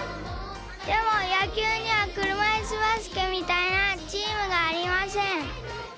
でもやきゅうにはくるまいすバスケみたいなチームがありません。